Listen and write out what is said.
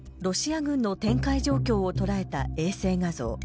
ロシア軍の展開状況を捉えた衛星画像。